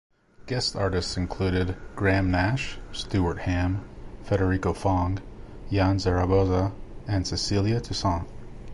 Guest artists included Graham Nash, Stuart Hamm, Federico Fong, Yann Zaragoza and Cecilia Toussaint.